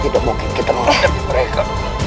tidak mungkin kita menghadapi mereka